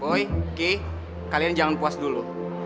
boy g kalian jangan puas dulu